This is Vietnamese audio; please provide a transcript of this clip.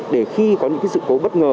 để khi có những sự cố bất ngờ